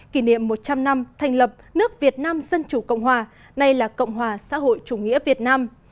kỷ niệm một trăm linh năm thành lập nước việt nam dân chủ cộng hòa nay là cộng hòa xã hội chủ nghĩa việt nam